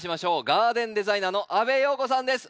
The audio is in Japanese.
ガーデンデザイナーの阿部容子さんです。